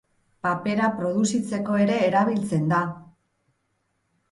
Papera produzitzeko ere erabiltzen da.